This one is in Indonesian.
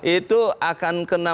itu akan kena